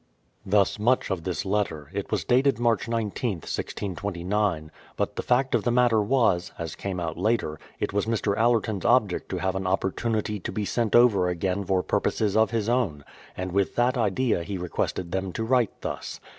Thus much of this letter; it was dated !March 19th, 1629; but the fact of the matter was (as came out later), it was Mr. Allerton's object to have an opportunity to be sent over again for purposes of his own; and with that idea he requested them to write thus.